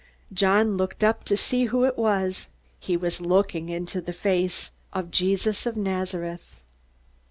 John looked up to see who it was. He was looking into the face of Jesus of Nazareth.